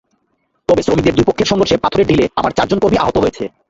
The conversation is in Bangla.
তবে শ্রমিকদের দুই পক্ষের সংঘর্ষে পাথরের ঢিলে আমার চারজন কর্মী আহত হয়েছে।